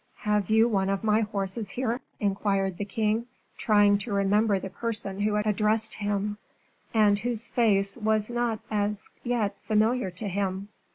Have you one of my horses here?" inquired the king, trying to remember the person who addressed him, and whose face was not as yet familiar to him.